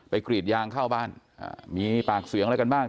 กรีดยางเข้าบ้านมีปากเสียงอะไรกันบ้าง